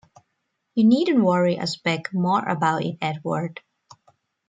You needn’t worry a speck more about it, Edward.